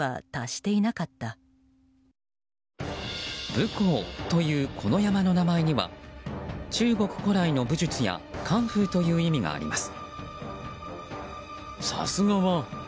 武功という、この山の名前には中国古来の武術やカンフーという意味があります。